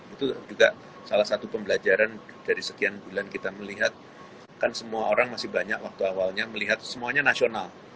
itu juga salah satu pembelajaran dari sekian bulan kita melihat kan semua orang masih banyak waktu awalnya melihat semuanya nasional